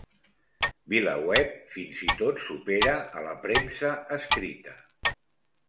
VilaWeb fins i tot supera a la premsa escrita.